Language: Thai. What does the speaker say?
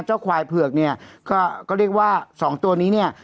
ควายเผือกเนี่ยก็เรียกว่าสองตัวนี้เนี่ย